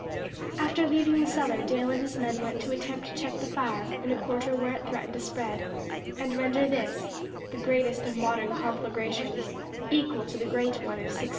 After leaving the cellar, Dale and his men went to attempt to check the fire in a quarter where it threatened to spread, and render this the greatest of modern conflagrations equal to the great one of 1666.